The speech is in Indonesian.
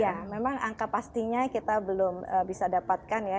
ya memang angka pastinya kita belum bisa dapatkan ya